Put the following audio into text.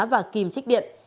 và kìm trích điện